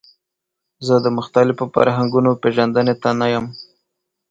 زه د مختلفو فرهنګونو پیژندنې ته نه یم.